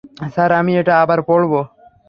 Sir, আমি এটা আবার পড়ব।